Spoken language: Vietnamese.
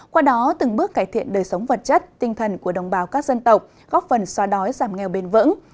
qua đó từng bước cải thiện đời sống vật chất tinh thần của đồng bào các dân tộc góp phần xóa đói giảm nghèo bền vững